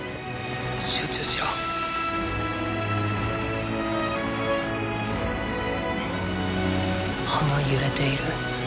集中しろ葉が揺れている。